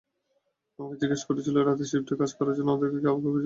আমাকে জিজ্ঞাসা করেছিল যে, রাতের শিফটে কাজ করার জন্য ওদের কাউকে প্রয়োজন।